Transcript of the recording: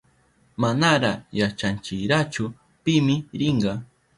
Manara yachanchirachu pimi rinka.